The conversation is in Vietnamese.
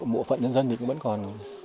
mộ phận dân dân thì vẫn còn